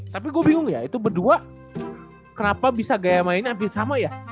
tapi gue bingung ya itu berdua kenapa bisa gaya mainnya hampir sama ya